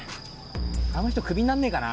あの人クビになんねえかな？